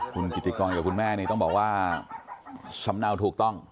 คุณกิจกรรมกับคุณแม่นี่ต้องบอกว่าสำนักอาวุธถูกต้อง